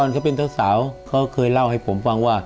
เขาเคยเล่าให้ผมฟังว่า